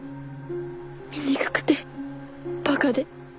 みにくくてバカで